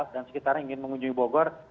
dan sekitaran yang ingin mengunjungi bogor